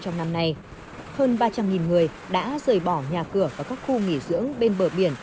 trong năm nay hơn ba trăm linh người đã rời bỏ nhà cửa và các khu nghỉ dưỡng bên bờ biển